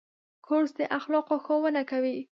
کورس د اخلاقو ښوونه کوي.